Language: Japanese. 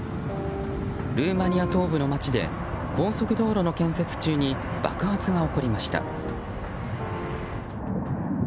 ルーマニア東部の町で高速道路の建設中に爆発が起こりました。